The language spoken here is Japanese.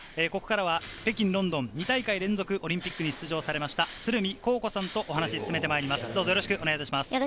北京、ロンドン２大会連続オリンピックに出場されました鶴見虹子さんとお話を進めてまいります。